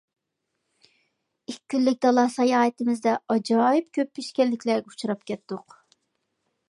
ئىككى كۈنلۈك دالا ساياھىتىمىزدە ئاجايىپ كۆپ پېشكەللىكلەرگە ئۇچراپ كەتتۇق.